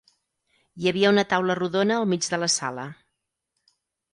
Hi havia una taula rodona al mig de la sala.